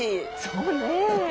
そうね。